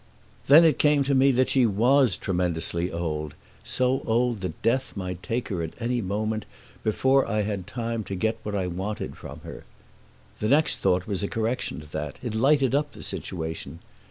Then it came to me that she WAS tremendously old so old that death might take her at any moment, before I had time to get what I wanted from her. The next thought was a correction to that; it lighted up the situation.